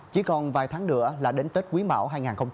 chỉ còn vài tháng nữa là đến tết quý mão hai nghìn hai mươi bốn